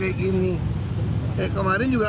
saya mel hidup di jakarta utara